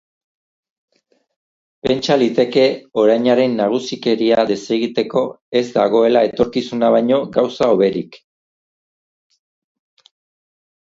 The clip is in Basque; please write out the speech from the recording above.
Pentsa liteke orainaren nagusikeria desegiteko ez dagoela etorkizuna baino gauza hoberik.